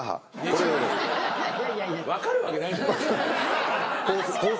分かるわけないじゃないですか。